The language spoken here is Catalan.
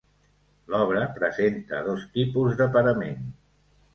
L'obra presenta dos tipus de parament.